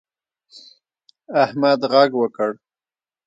احمد غږ وکړ.